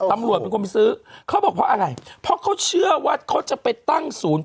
ตำรวจเป็นคนซื้อเขาบอกเพราะอะไรเพราะเขาเชื่อว่าเขาจะไปตั้งศูนย์